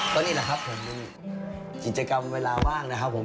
ก็นี่แหละครับผมเป็นกิจกรรมเวลาว่างนะครับผม